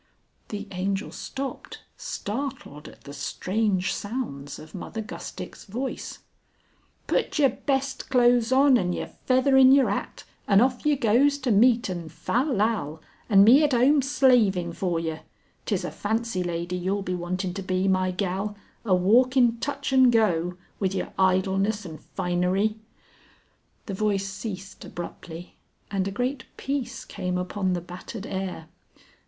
The Angel stopped, startled at the strange sounds of Mother Gustick's voice. "Put yer best clo'es on, and yer feather in yer 'at, and off you goes to meet en, fal lal, and me at 'ome slaving for ye. 'Tis a Fancy Lady you'll be wantin' to be, my gal, a walkin' Touch and Go, with yer idleness and finery " The voice ceased abruptly, and a great peace came upon the battered air.